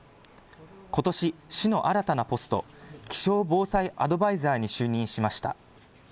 ことし、市の新たなポスト、気象防災アドバイザーに就任しました。